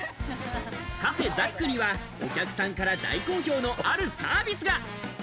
ｃａｆｅＺＡＣには、お客さんから大好評のあるサービスが。